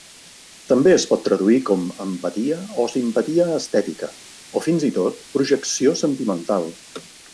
També es pot traduir com empatia o simpatia estètica, o fins i tot projecció sentimental.